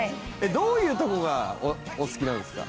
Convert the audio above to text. どういうとこがお好きなんですか？